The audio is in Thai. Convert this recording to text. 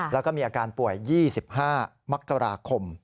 แล้วก็มีอาการป่วย๒๕มกราคม